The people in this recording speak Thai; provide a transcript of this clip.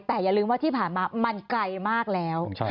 แต่อย่าลืมว่าที่ผ่านมามันไกลมากแล้ว